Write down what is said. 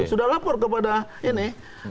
sudah lapor kepada ini